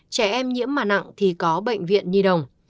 trẻ em nhiễm mà nặng thì có bệnh viện nhi đồng